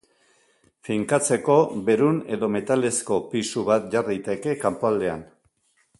Finkatzeko, berun edo metalezko pisu bat jar daiteke kanpoaldean.